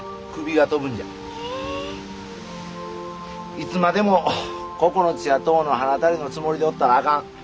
いつまでも九つや十のはなたれのつもりでおったらあかん。